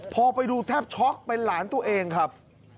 พอไปดูแทบช็อกเป็นหลานตัวเองครับ